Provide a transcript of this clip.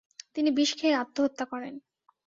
তিনি বিষ খেয়ে আত্মহত্যা করেন।